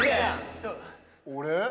俺？